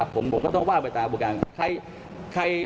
ผมก็ต้องว่าไปตามประการ